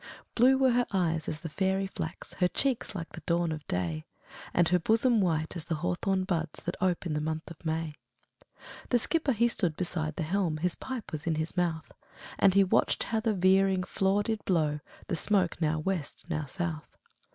Blue were her eyes as the fairy flax, Her cheeks like the dawn of day, And her bosom white as the hawthorn buds, That ope in the month of May. The skipper he stood beside the helm, His pipe was in his mouth, And he watched how the veering flaw did blow The smoke now West, now South.